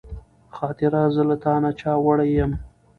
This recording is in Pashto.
خاطره زه له تا نه چا وړې يم